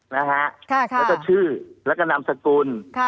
แล้วก็ชื่อแล้วก็นามสกุล